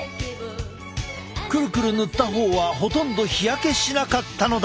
クルクル塗った方はほとんど日焼けしなかったのだ！